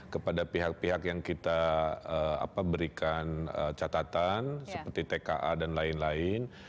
kepada pihak pihak yang kita berikan catatan seperti tka dan lain lain